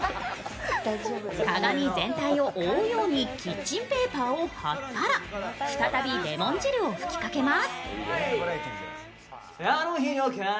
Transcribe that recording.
鏡全体を覆うようにキッチンペーパーを貼ったら再びレモン汁を吹きかけます。